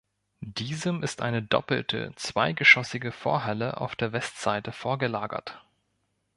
Diesem ist eine doppelte, zweigeschossige Vorhalle auf der Westseite vorgelagert.